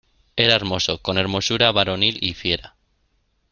era hermoso, con hermosura varonil y fiera.